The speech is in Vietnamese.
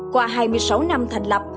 qua hai mươi sáu năm thành lập